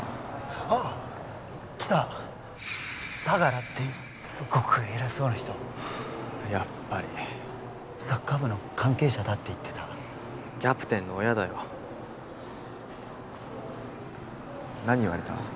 あッ来た相良ってすごく偉そうな人やっぱりサッカー部の関係者だって言ってたキャプテンの親だよ何言われた？